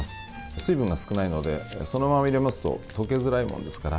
水分が少ないのでそのまま入れますと溶けづらいものですから。